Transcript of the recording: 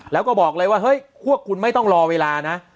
แล้วก็บอกเลยว่าเฮ้ยพวกคุณไม่ต้องรอเวลานะ